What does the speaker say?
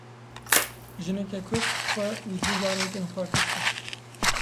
Jineke Kurd xwe û du zarokên xwe kuştin.